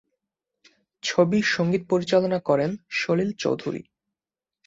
ছবির সংগীত পরিচালনা করেন সলিল চৌধুরী।